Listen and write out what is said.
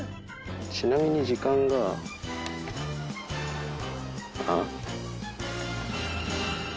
ちなみに時間が、ん？